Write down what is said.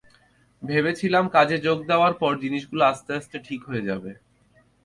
ভেবেছিলাম কাজে যোগ দেওয়ার পর জিনিসগুলো আস্তে আস্তে ঠিক হয়ে যাবে।